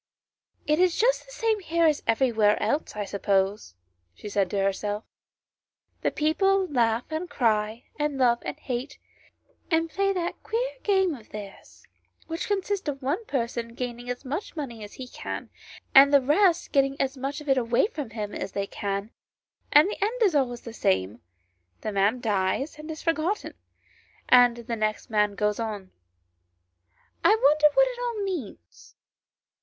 " It is just the same here as every where else, I suppose," she said to herself. "The people laugh and cry, and love and hate, and play that queer game of theirs which consists in one person v.] FROM OUTSIDE THE WORLD. 63 gaining as much money as he can, and the rest getting as much of it away from him as they can, and the end of it is always the same; the man dies and is forgotten, and the next man goes on. I wonder what it . all means."